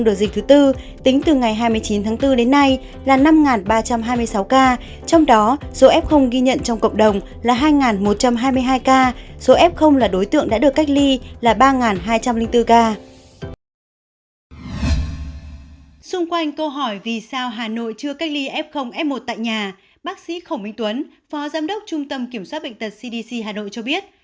bác sĩ khổng minh tuấn phó giám đốc trung tâm kiểm soát bệnh tật cdc hà nội cho biết